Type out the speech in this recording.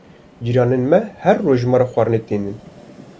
Cîranên me her roj xwarinê ji me re tînin.